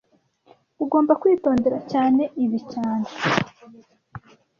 Ugomba kwitondera cyane ibi cyane